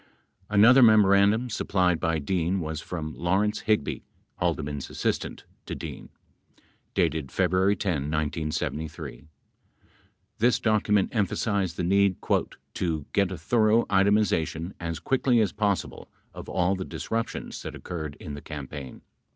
22 Another memorandum supplied by Dean was from Lawrence Hig by, Haldeman 's assistant, to Dean, dated February 10, 1973. This docu ment emphasized the need "to get a thorough itemization as quickly as possible of all the disruptions that occurred in the campaign